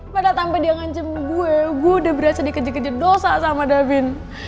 padahal tanpa dia ngancam gue gue udah berasa dikeje keje dosa sama davin